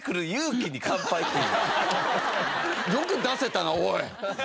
よく出せたなおい！